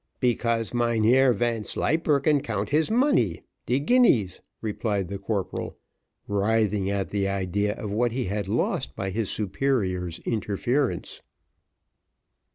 "Because Mynheer Vanslyperken count his money de guineas," replied the corporal, writhing at the idea of what he had lost by his superior's interference.